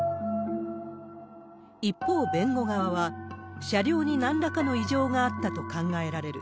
一方、弁護側は、車両になんらかの異常があったと考えられる。